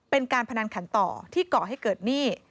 เป็นการพนันขันต่อที่ก่อให้เกิดหนี้